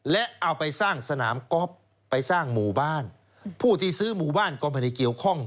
และเอาไปสร้างสนามก๊อฟไปสร้างหมู่บ้านผู้ที่ซื้อหมู่บ้านก็ไม่ได้เกี่ยวข้อง